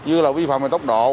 như là vi phạm và tốc độ